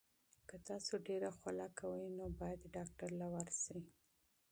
که تاسو ډیر خوله کوئ، باید ډاکټر ته مراجعه وکړئ.